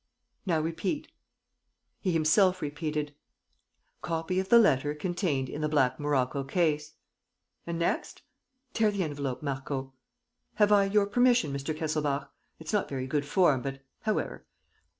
... Now, repeat." He himself repeated, "'Copy of the letter contained in the black morocco case.' And next? Tear the envelope, Marco. ... Have I your permission, Mr. Kesselbach? It's not very good form, but, however